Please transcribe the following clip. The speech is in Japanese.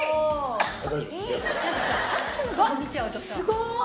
すごい！